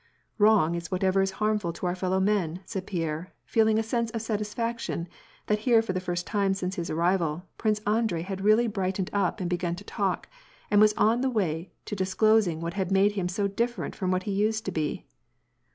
"Wrong is whatever is harmful to our fellow men," sidd Pierre, feeling a sense of satisfaction that here for the first time since his arrival, Prince Andrei had really brightened up and begun to talk, and was on the way to disclosing what had made him so different from what he used to be.